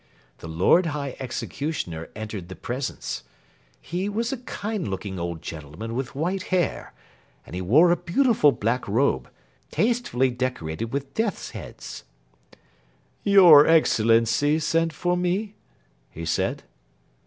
The Lord High Executioner entered the presence. He was a kind looking old gentleman with white hair, and he wore a beautiful black robe, tastefully decorated with death's heads. "Your Excellency sent for me?" he said.